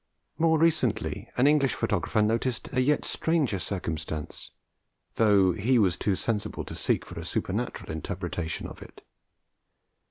More recently an English photographer noticed a yet stranger circumstance, though he was too sensible to seek for a supernatural interpretation of it.